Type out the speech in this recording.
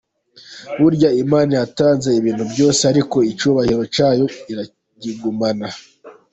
Burya Imana yatanze ibintu byose ariko icyubahiro cyayo irakigumana.